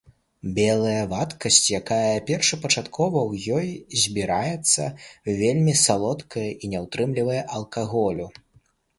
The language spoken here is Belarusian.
Белая вадкасць, якая першапачаткова ў ёй збіраецца, вельмі салодкая і не ўтрымлівае алкаголю.